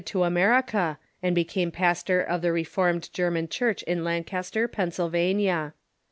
o America, and became pastor of the Reformed German Church in Lancaster, Pennsylvania.